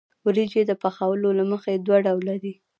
وریجې د پخولو له مخې دوه ډوله دي.